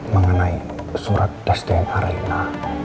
mengenai surat dastian areina